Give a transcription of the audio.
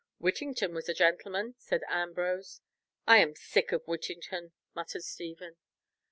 "Whittington was a gentleman," said Ambrose. "I am sick of Whittington," muttered Stephen.